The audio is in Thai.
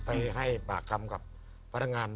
ไปให้บากคำกับพันธ์งาน